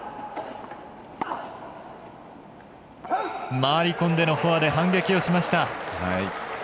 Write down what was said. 回り込んでのフォアで反撃をしました。